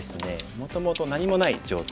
もともと何もない状態。